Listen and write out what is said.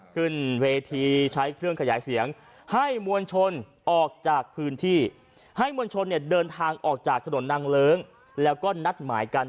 ขึ้นเวทีใช้เครื่องขยายเสียงให้มวลชนออกจากพื้นที่ให้มวลชนเนี่ยเดินทางออกจากถนนนางเลิ้งแล้วก็นัดหมายกัน